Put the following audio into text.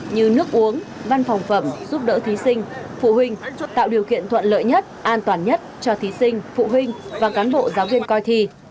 như nước uống văn phòng phẩm giúp đỡ thí sinh phụ huynh tạo điều kiện thuận lợi nhất an toàn nhất cho thí sinh phụ huynh và cán bộ giáo viên coi thi